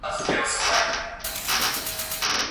ولي هڅاند سړی د وړ کس په پرتله برخلیک بدلوي؟